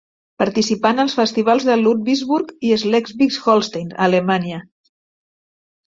Participà en els festivals de Ludwigsburg i de Schleswig-Holstein, a Alemanya.